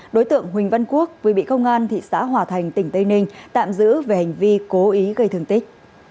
đối tượng huỳnh văn quốc vừa bị công an thị xã hòa thành tỉnh tây ninh tạm giữ về hành vi cố ý gây thương tích